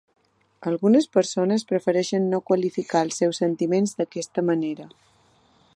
Algunes persones prefereixen no quantificar els seus sentiments d'aquesta manera.